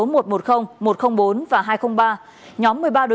nhóm một mươi ba đối tượng này có tuổi đời